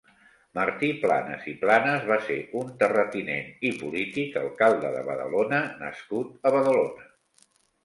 Martí Planas i Planas va ser un terratinent i polític, alcalde de Badalona nascut a Badalona.